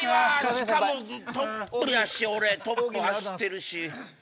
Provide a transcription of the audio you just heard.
しかもトップやし俺トップ走ってるし。